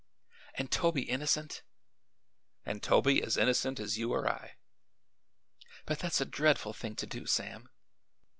"And Toby innocent!" "And Toby as innocent as you or I." "But that's a dreadful thing to do, Sam!"